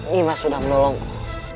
nima sudah menolongku